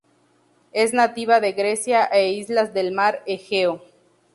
Es nativa de Grecia e islas del Mar Egeo.